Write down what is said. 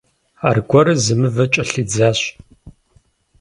Аргуэру зы мывэ кӀэлъидзащ.